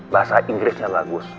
bahasa inggrisnya bagus